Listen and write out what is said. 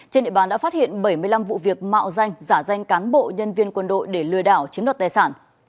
trên địa bàn đã phát hiện bảy mươi năm vụ việc mạo danh giả danh cán bộ nhân viên quân đội để lừa đảo chiếm đoạt tài sản